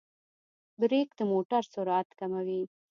برېک د موټر سرعت کموي.